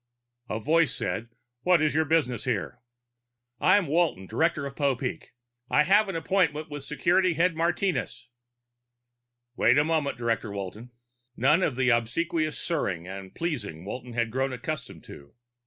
A voice said, "What is your business here?" "I'm Walton, director of Popeek. I have an appointment with Security Head Martinez." "Wait a moment, Director Walton." None of the obsequious sirring and pleasing Walton had grown accustomed to.